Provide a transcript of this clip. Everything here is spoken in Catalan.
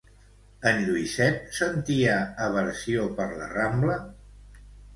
En Lluïset sentia aversió per la Rambla?